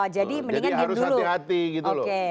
jadi harus hati hati gitu loh